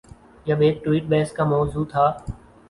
جب ایک ٹویٹ بحث کا مو ضوع تھا۔